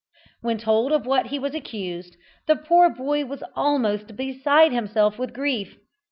When told of what he was accused, the poor boy was almost beside himself with grief.